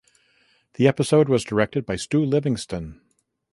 The episode was directed by Stu Livingston.